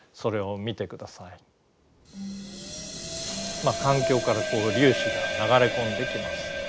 まあ環境から粒子が流れ込んできます。